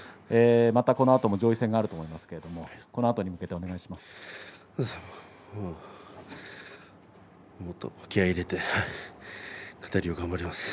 また、このあとも上位戦があると思いますけどこのあとに向けてお願いします。